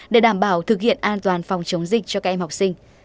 để đảm bảo thực hiện an toàn phòng chống dịch cho các em học sinh